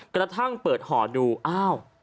กระทั่งเปิดห่อดูอ้าว